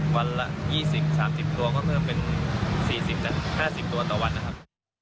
วันละ๒๐๓๐ตัวก็เพิ่มเป็น๔๐๕๐ตัวต่อวันนะครับ